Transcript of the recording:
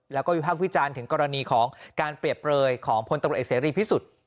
แล้วก็วิภาควิจารณ์ถึงกรณีของการเปรียบเปลยของพลตำรวจเอกเสรีพิสุทธิ์